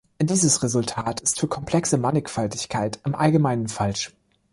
Dieses Resultat ist für komplexe Mannigfaltigkeiten im Allgemeinen falsch.